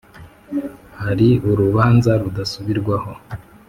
Hari Urubanza rudasubirwaho.